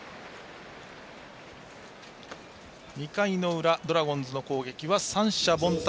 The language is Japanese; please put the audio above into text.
２回の裏、ドラゴンズの攻撃は三者凡退。